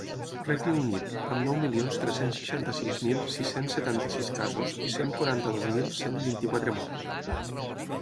Regne Unit, amb nou milions tres-cents seixanta-sis mil sis-cents setanta-sis casos i cent quaranta-dos mil cent vint-i-quatre morts.